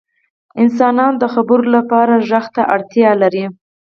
• انسانان د خبرو لپاره ږغ ته اړتیا لري.